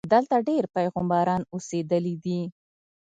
دلته ډېر پیغمبران اوسېدلي دي.